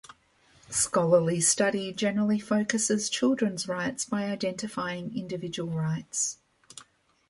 Scholarly study generally focuses children's rights by identifying individual rights.